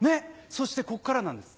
そしてこっからなんです。